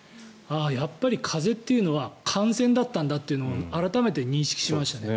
やっぱり風邪というのは感染だったんだというのを改めて認識しましたね。